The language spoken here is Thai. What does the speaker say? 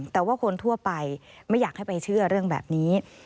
แต่ว่าคนทั่วไปไม่อยากให้ไปเชื่อเรื่องแบบนี้